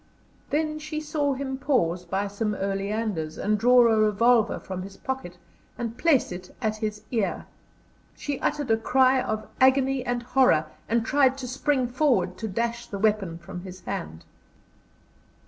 Then she saw him pause by some oleanders, and draw a revolver from his pocket and place it at his ear. She uttered a cry of agony and horror, and tried to spring forward to dash the weapon from his hand.